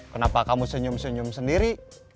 kenapa kamu senyum senyum sendiri